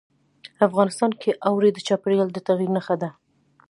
افغانستان کې اوړي د چاپېریال د تغیر نښه ده.